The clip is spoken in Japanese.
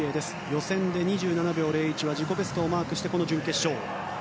予選で２７秒０１は自己ベストをマークしてこの準決勝です。